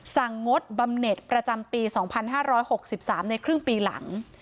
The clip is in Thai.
งดบำเน็ตประจำปี๒๕๖๓ในครึ่งปีหลัง